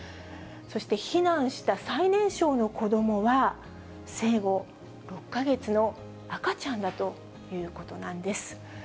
そして避難した最年少の子どもは、生後６か月の赤ちゃんだということなんです。